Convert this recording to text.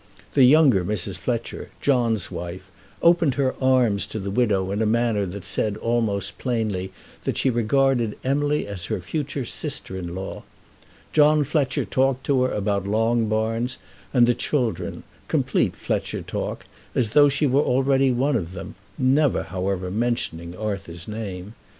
The younger Mrs. Fletcher, John's wife, opened her arms to the widow in a manner that almost plainly said that she regarded Emily as her future sister in law. John Fletcher talked to her about Longbarns, and the children, complete Fletcher talk, as though she were already one of them, never, however, mentioning Arthur's name.